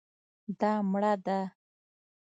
دا مړه ده